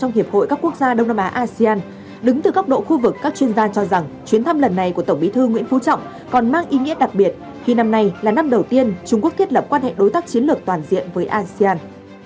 trong hiệp hội các quốc gia đông nam á asean đứng từ góc độ khu vực các chuyên gia cho rằng chuyến thăm lần này của tổng bí thư nguyễn phú trọng còn mang ý nghĩa đặc biệt khi năm nay là năm đầu tiên trung quốc thiết lập quan hệ đối tác chiến lược toàn diện với asean